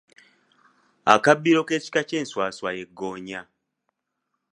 Akabbiro k’ekika ky’enswaswa ye ggoonya.